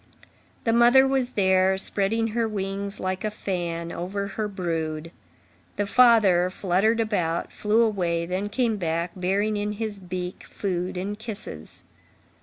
The mother was there, spreading her wings like a fan over her brood; the father fluttered about, flew away, then came back, bearing in his beak food and kisses.